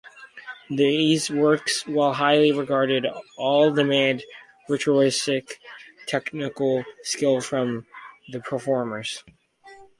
These works, while highly regarded, all demand virtuosic technical skill from the performers.